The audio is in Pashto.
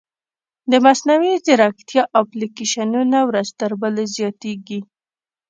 د مصنوعي ځیرکتیا اپلیکیشنونه ورځ تر بلې زیاتېږي.